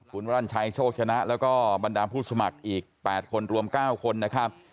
คุณวรรณชัยโชคชนะแล้วก็บรรดาผู้สมัครอีก๘คนรวม๙คนนะครับ